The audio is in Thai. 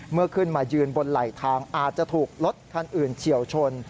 เมื่อขึ้นมายืนบนไหลทางอาจจะถูกรถคันอื่นเฉียวชน